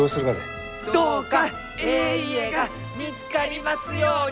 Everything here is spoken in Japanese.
どうかえい家が見つかりますように！